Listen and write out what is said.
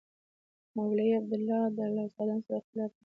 مولوي عبیدالله له استادانو سره اختلاف درلود.